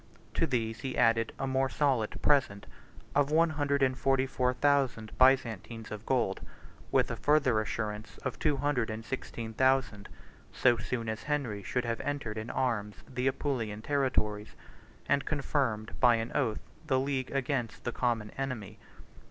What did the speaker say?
To these he added a more solid present, of one hundred and forty four thousand Byzantines of gold, with a further assurance of two hundred and sixteen thousand, so soon as Henry should have entered in arms the Apulian territories, and confirmed by an oath the league against the common enemy.